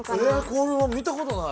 これは見たことない。